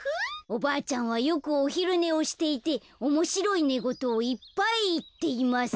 「おばあちゃんはよくおひるねをしていておもしろいねごとをいっぱいいっています」。